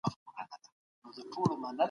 زه هر وخت د حق خبره کوم.